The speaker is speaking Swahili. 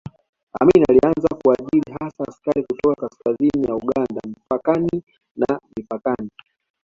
Amin alianza kuajiri hasa askari kutoka kaskazini ya Uganda mpakani na mipakani